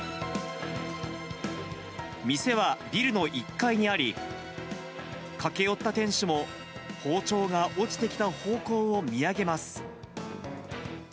店はビルの１階にあり、駆け寄った店主も、包丁が落ちてきた方向を見上げます。